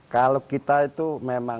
kalau kita itu memang